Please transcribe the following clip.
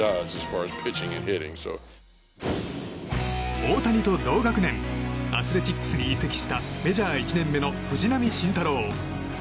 大谷と同学年アスレチックスに移籍したメジャー１年目の藤浪晋太郎。